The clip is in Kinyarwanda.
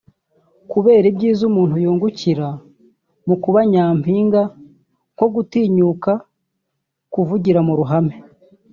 Kubera ibyiza umuntu yungukira mu kuba Nyampinga nko gutinyuka kuvugira mu ruhame